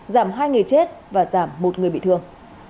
giảm hai người chết và giảm một người bị thương